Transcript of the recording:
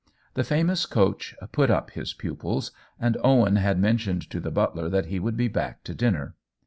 The famous coach "put up" his pupils, and Owen had men tioned to the butler that he would be back to dinner.